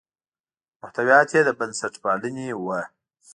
محتویات یې د بنسټپالنې وو.